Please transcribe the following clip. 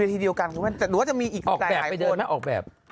เวทีเดียวกันคุณแม่แต่หรือว่าจะมีอีกรายหายโภน